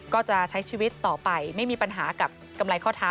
ก็จะใช้ชีวิตต่อไปไม่มีปัญหากับกำไรข้อเท้า